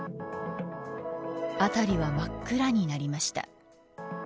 辺りは真っ暗になりました。